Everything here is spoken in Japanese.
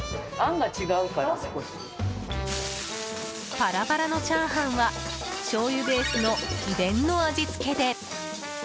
パラパラの炒飯はしょうゆベースの秘伝の味付けで。